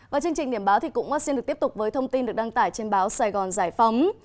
và chương trình điểm báo cũng xin được tiếp tục với thông tin được đăng tải trên báo sài gòn giải phóng